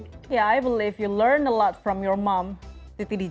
ya aku percaya kamu banyak belajar dari ibu kamu titi dj